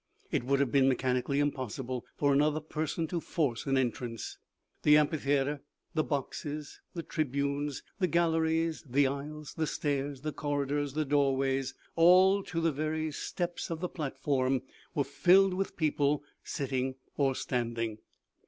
It would have been mechanically impossible for another person to force an entrance. The amphitheater, the boxes, the tribunes, the galleries, the aisles, the stairs, the corridors, the doorways, all, to the very steps of the platform, were filled with people, sitting or standing.